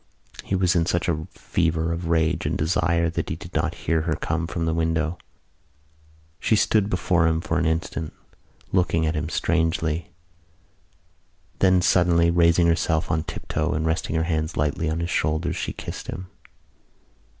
He was in such a fever of rage and desire that he did not hear her come from the window. She stood before him for an instant, looking at him strangely. Then, suddenly raising herself on tiptoe and resting her hands lightly on his shoulders, she kissed him.